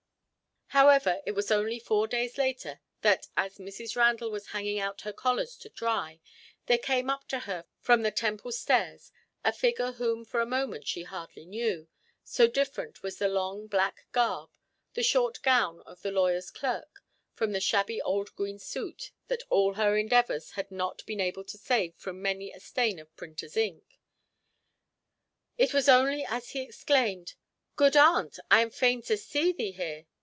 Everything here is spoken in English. However it was only four days later, that, as Mrs. Randall was hanging out her collars to dry, there came up to her from the Temple stairs a figure whom for a moment she hardly knew, so different was the long, black garb, and short gown of the lawyer's clerk from the shabby old green suit that all her endeavours had not been able to save from many a stain of printer's ink. It was only as he exclaimed, "Good aunt, I am fain to see thee here!"